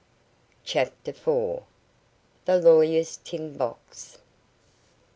CHAPTER FOUR. THE LAWYER'S TIN BOX.